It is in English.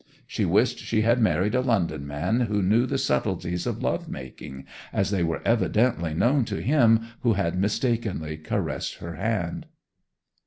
She wished she had married a London man who knew the subtleties of love making as they were evidently known to him who had mistakenly caressed her hand.